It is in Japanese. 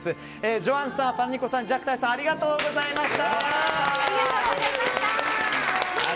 ジョアンさん、ファラニコさんジャックタイさんありがとうございました。